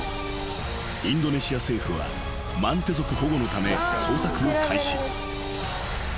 インドネシア政府はマンテ族保護のため捜索を開始］